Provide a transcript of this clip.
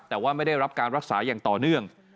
แต่ว่าไม่ได้รับการรักษาอย่างต่อเนื่อง